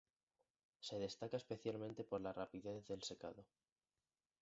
Se destaca especialmente por la rapidez del secado.